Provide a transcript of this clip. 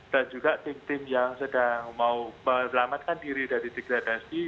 dan juga tim tim yang sedang mau melamatkan diri dari degradasi